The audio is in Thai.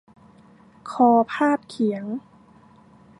คอพาดเขียง